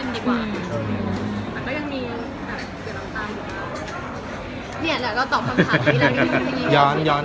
เนี่ยแล้วก็ตอบคำถามที่มั้ยเรานี่อยู่